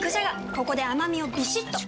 ここで甘みをビシッと！